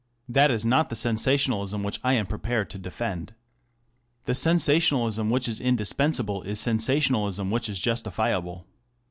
That is not the sensationalism which I am prepared to defend. The sensa tionalism which is indispensable is sensationalism which is justifiable.